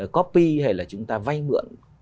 copy hay là chúng ta vay mượn